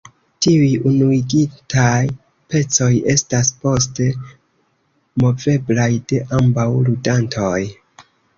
Tiuj unuigitaj pecoj estas poste moveblaj de ambaŭ ludantoj.